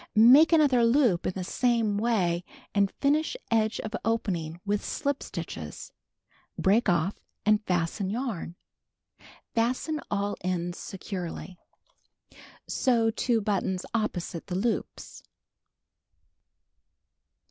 Mak(> another loop in the same way and finish edge of oju ning with slip stitches, lireak off and fasten yarn. I'asten all ends securely. Sew two buttons opposite the Ioojjs.